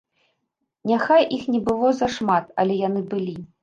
Няхай іх не было зашмат, але яны былі.